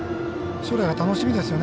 将来が楽しみですね